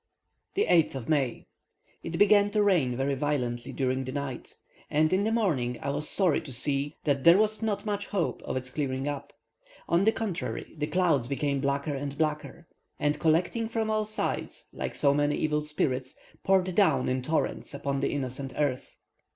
8th May. It began to rain very violently during the night, and in the morning I was sorry to see that there was not much hope of its clearing up; on the contrary, the clouds became blacker and blacker, and collecting from all sides, like so many evil spirits, poured down in torrents upon the innocent earth.